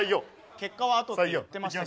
結果はあとって言ってましたけど。